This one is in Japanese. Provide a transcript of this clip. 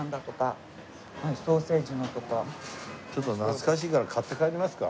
ちょっと懐かしいから買って帰りますか？